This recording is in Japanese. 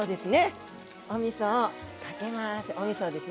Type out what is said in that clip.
おみそをかけます。